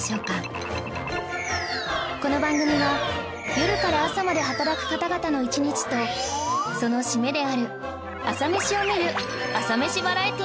この番組は夜から朝まで働く方々の一日とその締めである朝メシを見る朝メシバラエティなのです